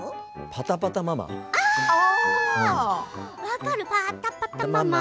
「パタパタママ」。